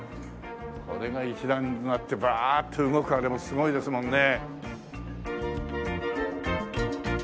これが一団となってバーッと動くからすごいですもんね。